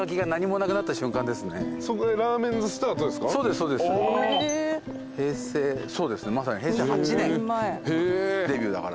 そうですねまさに平成８年デビューだから。